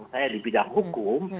saya di bidang hukum